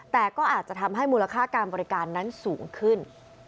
แต่ก็อาจจะทำให้มูลค่าการบริการนั้นสูงขึ้น